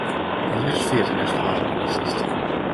Englisch fehlt in der Sprachenübersicht.